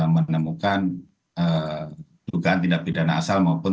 menemukan tindak bidana asal maupun